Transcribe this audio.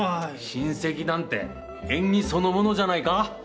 親戚なんて縁起そのものじゃないか。